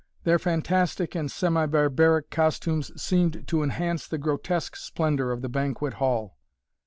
Their fantastic and semi barbaric costumes seemed to enhance the grotesque splendor of the banquet hall.